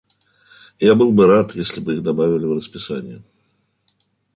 Я был бы рад, если бы их добавили в расписание.